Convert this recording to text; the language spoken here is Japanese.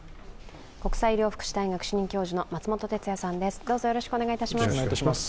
国際医療福祉大学主任教授の松本哲哉さんです。